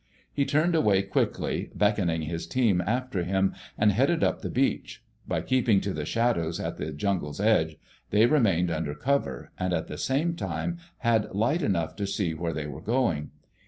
He turned away quickly, beckoning his team after him, and headed up the beach. By keeping to the shadows at the jungle's edge, they remained under cover and at the same time had light enough to see where they were going.